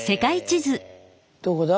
どこだ？